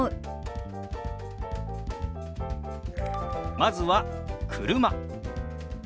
まずは「車」。